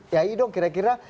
yai dong kira kira